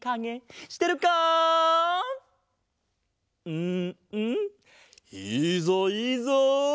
うんうんいいぞいいぞ！